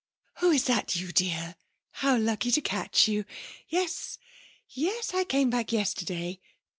'Oh, is that you, dear? How lucky to catch you! Yes.... Yes.... I came back yesterday.